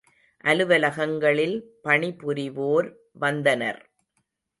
அலுவலகங்களில் பணி புரிவோர் வந்தனர்.